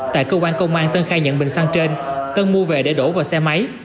tại cơ quan công an tân khai nhận bình xăng trên tân mua về để đổ vào xe máy